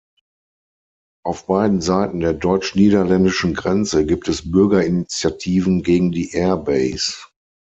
Auf beiden Seiten der deutsch-niederländischen Grenze gibt es Bürgerinitiativen gegen die Air Base.